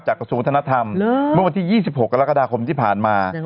กระทรวงธนธรรมเมื่อวันที่๒๖กรกฎาคมที่ผ่านมา